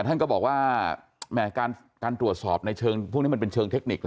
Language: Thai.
ท่านก็บอกว่าแหมการตรวจสอบในเชิงพวกนี้มันเป็นเชิงเทคนิค